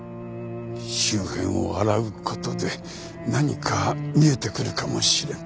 周辺を洗う事で何か見えてくるかもしれん。